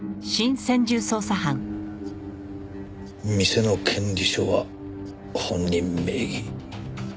店の権利書は本人名義。